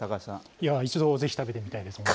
いや、一度ぜひ食べてみたいですね。